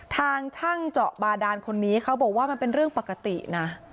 ทางช่างเจาะบาดานคนนี้เขาบอกว่ามันเป็นเรื่องปกตินะ